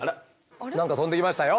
何か飛んできましたよ。